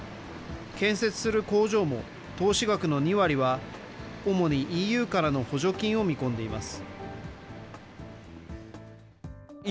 建設する工場も、投資額の２割は、主にＥＵからの補助金を見込んでいます。